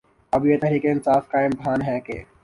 اب یہ تحریک انصاف کا امتحان ہے کہ